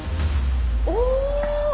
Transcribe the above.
お。